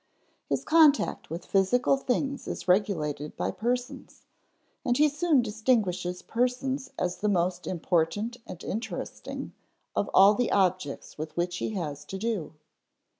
His contact with physical things is regulated by persons, and he soon distinguishes persons as the most important and interesting of all the objects with which he has to do.